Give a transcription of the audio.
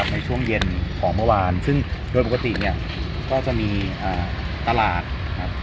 ในช่วงเย็นของเมื่อวานซึ่งโดยปกติเนี่ยก็จะมีตลาดครับ